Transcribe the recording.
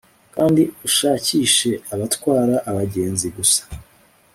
Kandi ushakishe abatwara abagenzi gusa